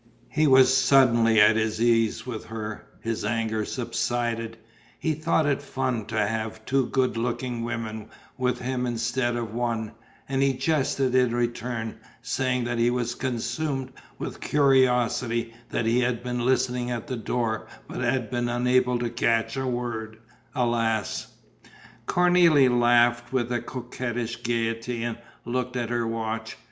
He was suddenly at his ease with her, his anger subsided: he thought it fun to have two good looking women with him instead of one; and he jested in return, saying that he was consumed with curiosity, that he had been listening at the door but had been unable to catch a word, alas! Cornélie laughed with coquettish gaiety and looked at her watch.